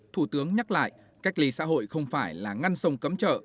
thủ tướng nhắc lại cách ly xã hội không phải là ngăn sông cấm chợ